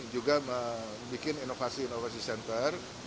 juga membuat inovasi inovasi center